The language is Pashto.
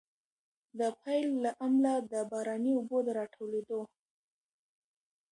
د پيل له امله، د باراني اوبو د راټولېدو